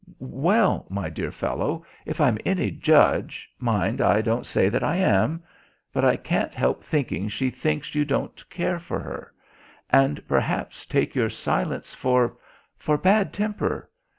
"Well, my dear fellow, if I'm any judge mind, I don't say that I am but I can't help thinking she thinks you don't care for her; and perhaps takes your silence for for bad temper.